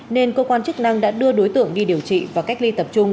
nên cơ quan chức năng đã đưa đối tượng đi điều trị và cách ly tập trung